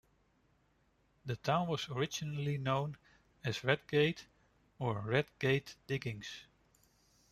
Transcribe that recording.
The town was originally known as Redgate, or Red Gate Diggings.